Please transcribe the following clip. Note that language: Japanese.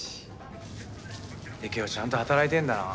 ユキオちゃんと働いてんだな。